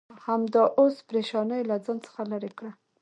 همدا اوس پرېشانۍ له ځان څخه لرې کړه.